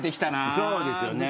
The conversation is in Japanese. そうですよね。